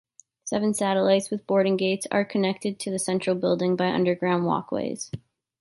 Seven satellites with boarding gates are connected to the central building by underground walkways.